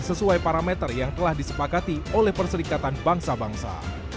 sesuai parameter yang telah disepakati oleh perserikatan bangsa bangsa